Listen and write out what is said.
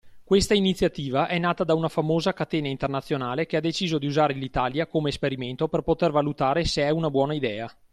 Questa iniziativa è nata da una famosa catena internazionale che ha deciso di usare l'Italia come esperimento per poter valutare se è una buona idea.